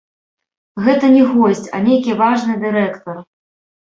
Гэта не госць, а нейкі важны дырэктар.